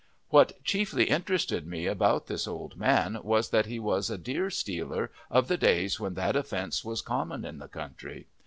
What chiefly interested me about this old man was that he was a deer stealer of the days when that offence was common in the country.